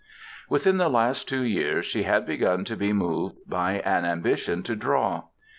Within the last two years she had begun to be moved by an ambition to draw.